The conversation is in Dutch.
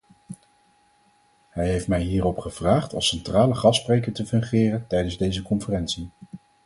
Hij heeft mij hierop gevraagd als centrale gastspreker te fungeren tijdens deze conferentie.